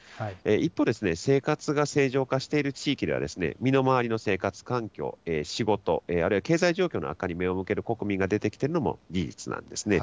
一方、生活が正常化している地域では、身の回りの生活環境、仕事、あるいは経済状況の悪化に目を向ける国民が出てきているのも事実なんですね。